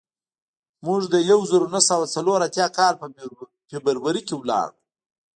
موږ د یو زرو نهه سوه څلور اتیا کال په فبروري کې لاړو